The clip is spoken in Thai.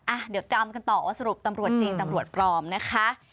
อ่ะเดี๋ยวตามกันต่อว่าสรุปตำรวจจริงตำรวจปลอมนะคะ